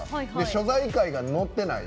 所在階がのってない。